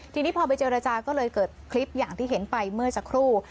ทีนี้พอไปเจรจาก็เลยเกิดคลิปอย่างที่เห็นไปเมื่อสักครู่